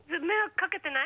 かけてない。